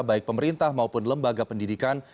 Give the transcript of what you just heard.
baik pemerintah maupun lembaga pendidikan